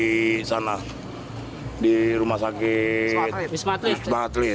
di sana di rumah sakit wisma atlet